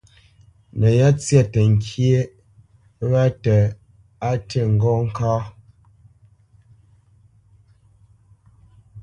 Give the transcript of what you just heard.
No yá tsya təŋkyé wa tə á ti ŋgó ŋká.